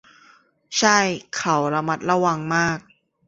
ใช่ เขาระมัดระวังมาก